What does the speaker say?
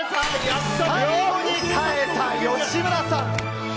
最後に変えた吉村さん